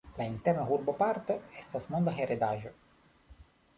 La Interna urboparto estas Monda Heredaĵo.